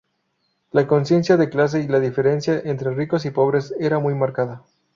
La conciencia de clase y la diferencia entre ricos y pobres era muy marcada.